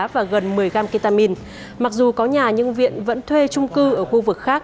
và gần một mươi gram ketamin mặc dù có nhà nhưng viện vẫn thuê trung cư ở khu vực khác